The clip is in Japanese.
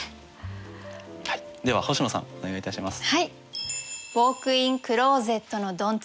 はいでは星野さんお願いいたします。